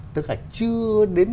tức là chưa đến